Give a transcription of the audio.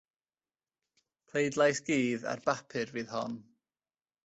Pleidlais gudd ar bapur fydd hon.